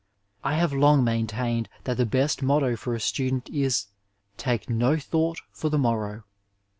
I have long maintained that the best motto for a student is, '^ Take no thought for the morrow."